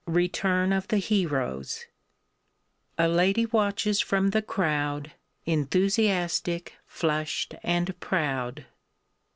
RETURN OF THE HEROES A lady watches from the crowd, _Enthusiastic, flushed, and proud.